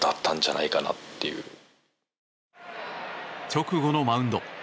直後のマウンド。